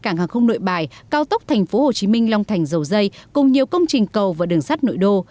nội bài cao tốc tp hcm long thành dầu dây cùng nhiều công trình cầu và đường sắt nội đô